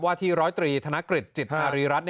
ว่าที่๑๐๓ธนกฤษจิตหารีรัฐ